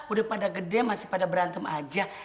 udah pada gede masih pada berantem aja